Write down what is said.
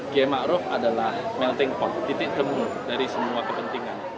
kiai maruf adalah melting pot titik temu dari semua kepentingan